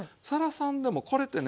さんでもこれってね